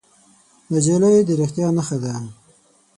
نجلۍ د رښتیا نښه ده.